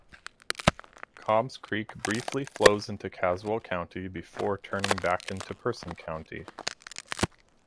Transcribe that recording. Cobbs Creek briefly flows into Caswell County before turning back into Person County.